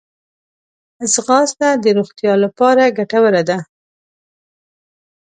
ځغاسته د روغتیا لپاره ګټوره ده